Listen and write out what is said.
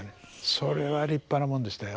それは立派なもんでしたよ。